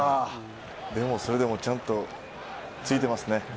でもそれでもちゃんとついてますね。